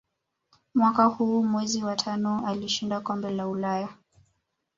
Mwaka huu mwezi wa tano alishinda kombe la ulaya